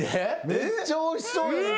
めっちゃおいしそうなのに。